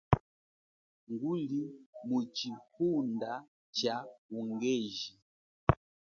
Nguli muchihunda cha ungeji.